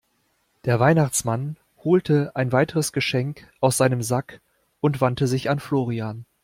Der Weihnachtsmann holte ein weiteres Geschenk aus seinem Sack und wandte sich an Florian.